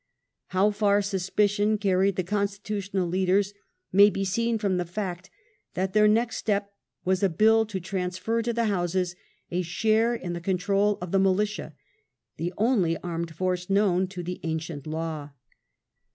How far suspicion carried the con stitutional leaders may be seen from the fact that their next step was a bill to transfer to the Houses a share in the control of the Militia — the only armed force known to the ancient law.